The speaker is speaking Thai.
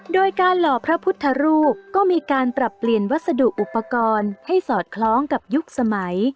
โดยการหล่อพระพุทธรูปก็มีการปรับเปลี่ยนวัสดุอุปกรณ์ให้สอดคล้องกับยุคสมัย